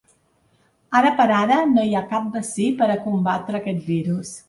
Ara per ara, no hi ha cap vaccí per a combatre aquest virus.